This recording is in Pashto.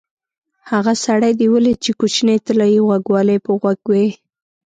هغه سړی دې ولید چې کوچنۍ طلایي غوږوالۍ یې په غوږ وې؟